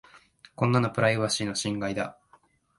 こんなのプライバシーの侵害だ。